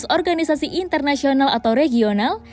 tujuh belas organisasi internasional atau regional